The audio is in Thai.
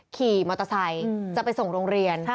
ขี่มอเตอร์ไซค์จะไปส่งโรงเรียน